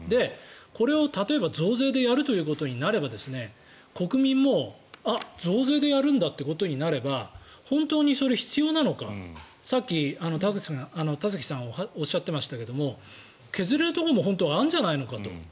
これを例えば増税でやるとなれば国民もあっ、増税でやるんだとなれば本当にそれは必要なのかさっき、田崎さんがおっしゃってましたけど削れるところも本当はあるんじゃないかと。